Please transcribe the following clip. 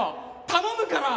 頼むから！